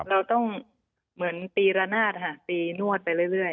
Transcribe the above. เราต้องเหมือนตีระนาดค่ะตีนวดไปเรื่อย